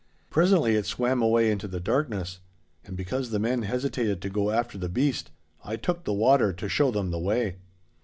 Presently it swam away into the darkness. And because the men hesitated to go after the beast, I took the water to show them the way.